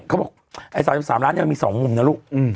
เขาบอก๓๓ล้านบาทนี่มี๒มุมนะลูก